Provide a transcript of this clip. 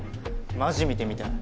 マジ見てみたい。